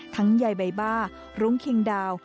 ทั้งใหญ่ใบบ้ารุ้งเคียงดาว